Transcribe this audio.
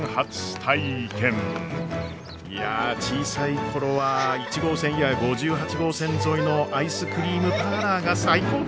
いや小さい頃は１号線や５８号線沿いのアイスクリームパーラーが最高でした！